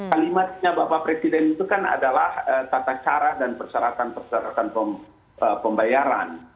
kalimatnya bapak presiden itu kan adalah tata cara dan persyaratan persyaratan pembayaran